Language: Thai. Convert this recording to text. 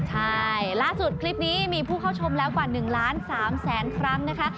ใช่ล่าสุดคลิปนี้มีผู้เข้าชมแล้วกว่า๑ล้าน๓แสนครั้งนะคะ